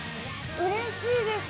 うれしいです。